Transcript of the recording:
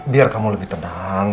biar kamu lebih tenang